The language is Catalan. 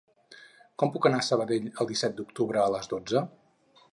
Com puc anar a Sabadell el disset d'octubre a les dotze?